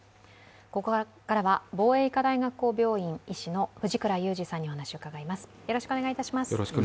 ここからは防衛医科大学校病院医師の藤倉雄二さんに伺います。